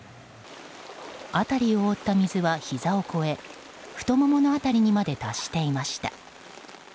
辺りを覆った水は、ひざを越え太ももの辺りにまで達していました。